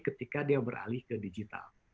ketika dia beralih ke digital